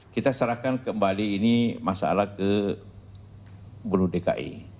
kita serahkan kembali ini masalah ke bulu dki